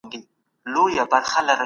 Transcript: څېړونکی د حقایقو د موندلو لپاره هڅه کوي.